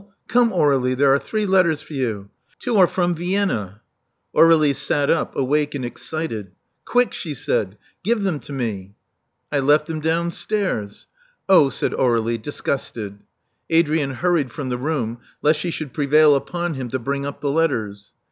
A11! Come, Aur^lie, there are three letters for you. Two are from Vienna." Aur^lie sat up, awake and excited. Quick," she said. Give them to me." I left them downstairs." Oh," said Aur^lie, disgusted. Adrian hurried from the room lest she should prevail upon him to bring up the letters.